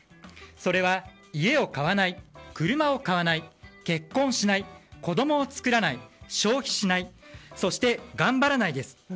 それは、家を買わない車を買わない結婚しない、子供を作らない消費しないそして、頑張らないです。